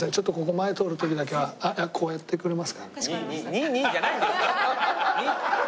「ニンニン」じゃないんですよ！